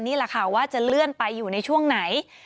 นี่แหละค่ะว่าจะเลื่อนไปอยู่ในช่วงไหน